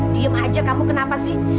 diem aja kamu kenapa sih